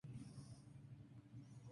La queja fue archivada.